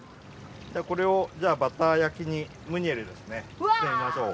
これをバター焼きにムニエルですねしてみましょう。